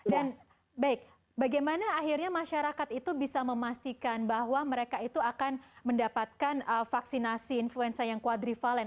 dan baik bagaimana akhirnya masyarakat itu bisa memastikan bahwa mereka itu akan mendapatkan vaksinasi influenza yang kuadrifalen